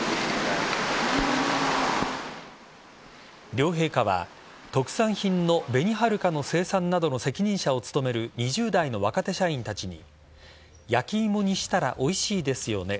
両陛下は、特産品の紅はるかの生産などの責任者を務める２０代の若手社員たちに焼き芋にしたらおいしいですよね。